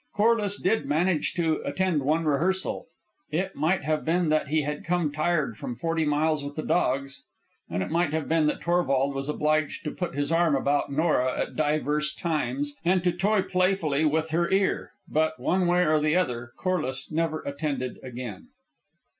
Corliss did manage to attend one rehearsal. It might have been that he had come tired from forty miles with the dogs, and it might have been that Torvald was obliged to put his arm about Nora at divers times and to toy playfully with her ear; but, one way or the other, Corliss never attended again.